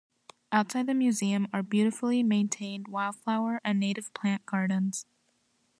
Outside the museum are beautifully maintained wildflower and native plant gardens.